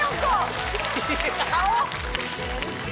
顔！